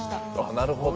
なるほど。